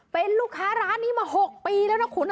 เป็นลูกค้าร้านนี้มา๖ปีแล้วนะคุณ